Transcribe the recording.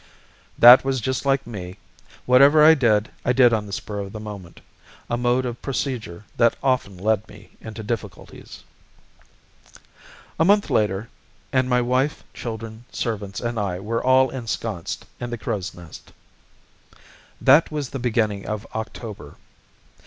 That was just like me. Whatever I did, I did on the spur of the moment, a mode of procedure that often led me into difficulties. A month later and my wife, children, servants, and I were all ensconced in the Crow's Nest. That was in the beginning of October.